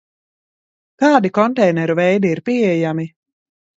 Kādi konteineru veidi ir pieejami?